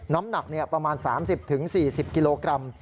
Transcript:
น้ำหนักประมาณ๓๐๔๐กิโลกรัม